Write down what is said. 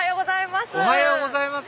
おはようございます。